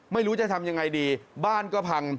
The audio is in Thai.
ไม่รู้จะทำยังไงดีบ้านก็พัง